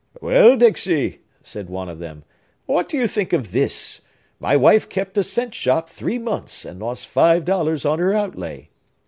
"Well, Dixey," said one of them, "what do you think of this? My wife kept a cent shop three months, and lost five dollars on her outlay.